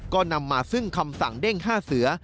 ก็นำมาซึ่งคำสั่งเด้ง๕เสือ